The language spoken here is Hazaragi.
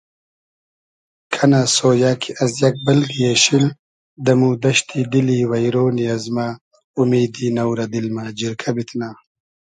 کئنۂ سۉیۂ کی از یئگ بئلگی اېشیل دئمو دئشتی دیلی وݷرۉنی ازمۂ اومیدی نۆ رۂ دیل مۂ جیرکۂ بیتنۂ